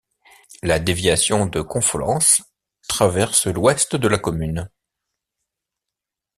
La déviation de Confolens traverse l'ouest de la commune.